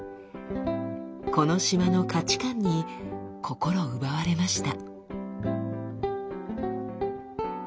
この島の価値観に心奪われました。